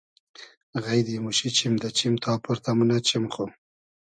غݷدی موشی چیم دۂ چیم تا پۉرتۂ مونۂ چیم خو